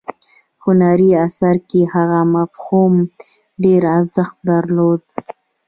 هنري اثر کې هغه مفهوم ډیر ارزښت درلود.